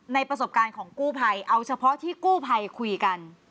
ประสบการณ์ของกู้ภัยเอาเฉพาะที่กู้ภัยคุยกัน